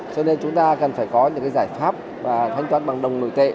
cho nên chúng ta cần phải có những giải pháp và thanh toán bằng đồng nội tệ